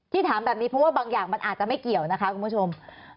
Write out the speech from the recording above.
ถามแบบนี้เพราะว่าบางอย่างมันอาจจะไม่เกี่ยวนะคะคุณผู้ชม